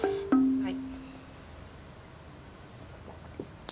はい。